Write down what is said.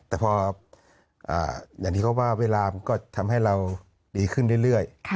แต่พออย่างนี้ก็ว่าเวลามันก็ทำให้เราดีขึ้นเรื่อย